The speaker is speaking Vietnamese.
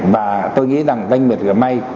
và tôi nghĩ rằng doanh nghiệp tuyển may